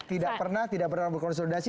tidak pernah tidak pernah berkonsolidasi